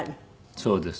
そうです。